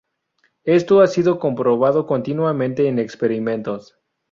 Esto ha sido comprobado continuamente en experimentos.